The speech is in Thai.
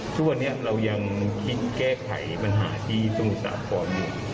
ทุกวันนี้เรายังคิดแก้ไขปัญหาที่สมุทรสาครอยู่